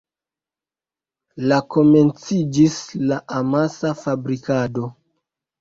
La komenciĝis la amasa fabrikado.